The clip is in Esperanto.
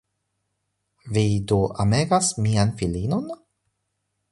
Vi do amegas mian filinon?